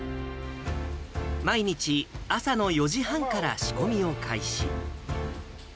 毎日、朝の４時半から仕込みを開始。